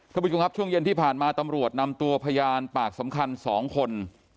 ท่านผู้ชมครับช่วงเย็นที่ผ่านมาตำรวจนำตัวพยานปากสำคัญ๒คน